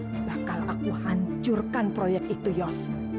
yang bakal aku hancurkan proyek itu yos